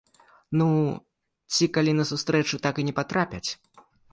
Ну, ці калі на сустрэчу так і не патрапяць.